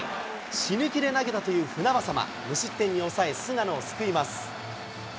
死ぬ気で投げたという船迫、無失点に抑え、菅野を救います。